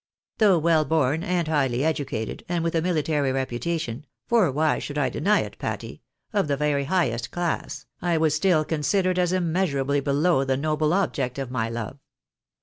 Though well born, and highly educated, and with a mihtary reputation (for why should I deny it, Patty ?) of the very highest class, I was still considered as immeasxirably below the noble object of my love.